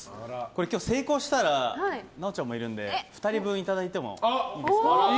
今日、成功したら奈緒ちゃんもいるので２人分いただいてもいいですか。